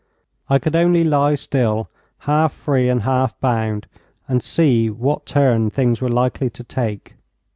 I could only lie still, half free and half bound, and see what turn things were likely to take.